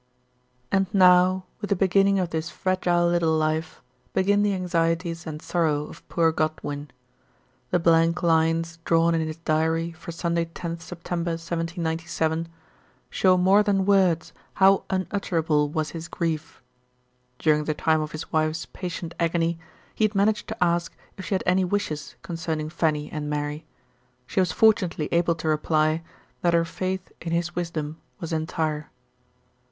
AND now with the beginning of this fragile little life begin the anxieties and sorrow of poor Godwin. The blank lines drawn in his diary for Sunday 10th September 1797, show more than words how un utterable was his grief. During the time of his wife's patient agony he had managed to ask if she had any wishes concerning Fanny and Mary. She was fortunately able to reply that her faith in his wisdom was entire.